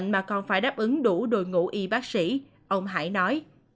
mà còn phải đáp ứng đủ đội ngũ y bác sĩ ông hải nói